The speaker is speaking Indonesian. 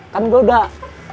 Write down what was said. kan gue udah